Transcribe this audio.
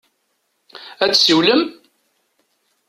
Ad d-tsiwlem?